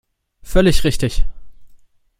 Völlig richtig.